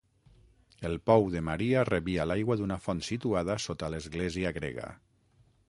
El Pou de Maria rebia l'aigua d'una font situada sota l'església grega.